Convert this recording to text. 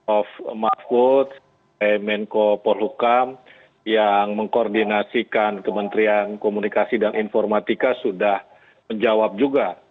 prof mahfud menko polhukam yang mengkoordinasikan kementerian komunikasi dan informatika sudah menjawab juga